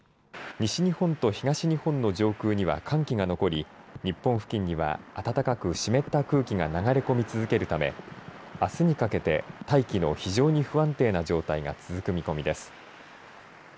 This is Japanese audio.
西日本と東日本の上空には寒気が残り日本付近には暖かく湿った空気が流れ込み続けるためあすにかけて大気の非常に不安定な状態が続く見込みです。